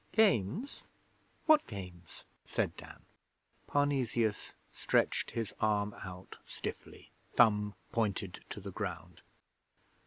'Games? What Games?' said Dan. Parnesius stretched his arm out stiffly, thumb pointed to the ground.